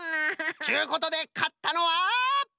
ちゅうことでかったのは。